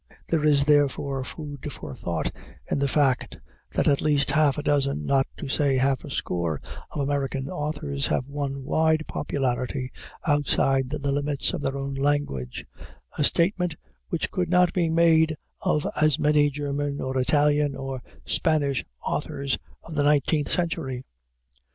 There is therefore food for thought in the fact that at least half a dozen, not to say half a score, of American authors have won wide popularity outside the limits of their own language, a statement which could not be made of as many German or Italian or Spanish authors of the nineteenth century.